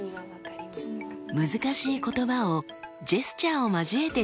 難しい言葉をジェスチャーを交えて伝えました。